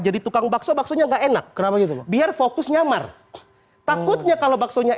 jadi tukang bakso baksonya enggak enak kerabat itu biar fokus nyamar takutnya kalau baksonya